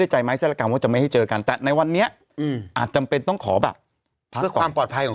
ได้ใจไหมแซลกรรมก็จะไม่ให้เจอกันแต่ในวันเนี้ยอาจจำเป็นต้องขอแบบความปลอดภัยของ